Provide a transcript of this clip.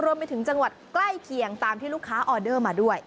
รวมไปถึงจังหวัดใกล้เคียงตามที่ลูกค้าออเดอร์มาด้วย